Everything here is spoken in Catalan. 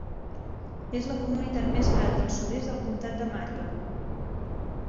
És la comunitat més gran del sud-est del comtat de Marion.